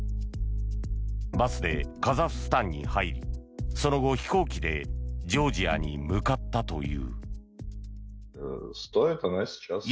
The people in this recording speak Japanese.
バスでカザフスタンに入りその後、飛行機でジョージアに向かったという。